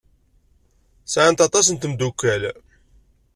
Sɛant aṭas n tmeddukal.